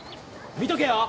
見とけよ！